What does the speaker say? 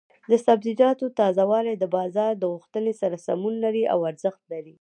د سبزیجاتو تازه والي د بازار د غوښتنې سره سمون لري او ارزښت لري.